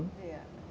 yang masih perusahaan